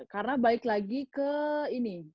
karena balik lagi ke ini